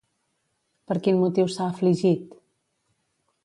Per quin motiu s'ha afligit?